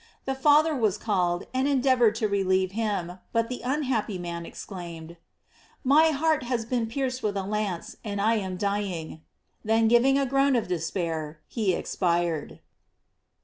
The Father was called, and endeavored to relieve him, but the unhappy man exclaimed : "My heart has been pierced with a lance, and I ain dying. Then giving a groan of despair, he expired.